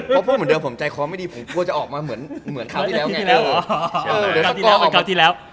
เพราะพวกเหมือนเดิมผมใจคล้อไม่ดีผมกลัวจะออกมาเหมือนเท่าที่แล้วไง